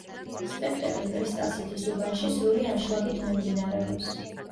სპექტაკლი კრისტალ-სითის უბანში სრული ანშლაგით მიმდინარეობს.